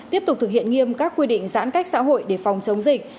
tiếp tục thực hiện nghiêm các quy định giãn cách xã hội để phòng chống dịch